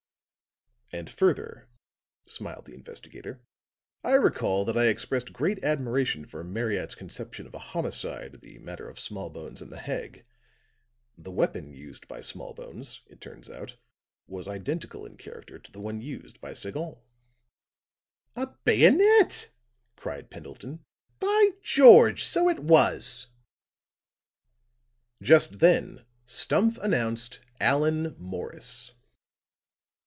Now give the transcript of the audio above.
"And further," smiled the investigator, "I recall that I expressed great admiration for Marryat's conception of a homicide in the matter of Smallbones and the hag. The weapon used by Smallbones, it turns out, was identical in character to the one used by Sagon." "A bayonet," cried Pendleton. "By George! So it was." Just then Stumph announced Allan Morris.